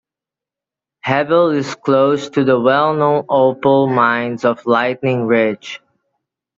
Hebel is close to the well known opal mines of Lightning Ridge.